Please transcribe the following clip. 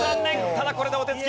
ただこれでお手つき